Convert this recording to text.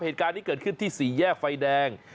เหตุการณ์นี้เกิดขึ้นที่สี่แยกไฟแดง